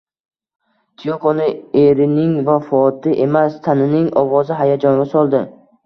Tiyokoni erining vafoti emas, Tanining ovozi hayajonga soldi